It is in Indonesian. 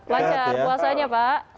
lancar puasanya pak